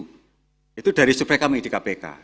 faktor uang dari survei kami di kpk